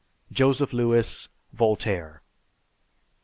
(_Joseph Lewis, "Voltaire."